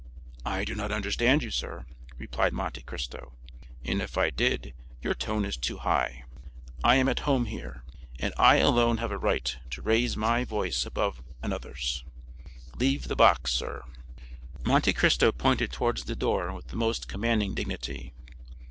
"I do not understand you, sir," replied Monte Cristo; "and if I did, your tone is too high. I am at home here, and I alone have a right to raise my voice above another's. Leave the box, sir!" Monte Cristo pointed towards the door with the most commanding dignity.